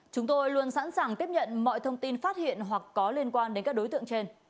chúng tôi luôn sẵn sàng tiếp nhận mọi thông tin phát hiện hoặc có liên quan đến các đối tượng trên